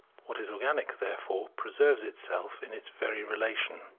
What is organic, therefore, preserves itself ia its very relation.